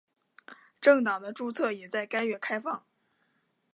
政党的注册也在该月开放。